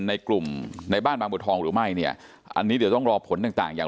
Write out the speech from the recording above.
ในกลุ่มในบ้านบางบัวทองหรือไม่เนี่ยอันนี้เดี๋ยวต้องรอผลต่างต่างอย่าง